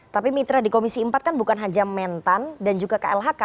tapi mitra di komisi empat kan bukan hanya mentan dan juga klhk